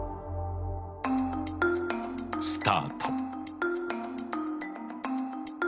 スタート。